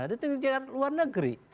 dari tenaga kerja luar negeri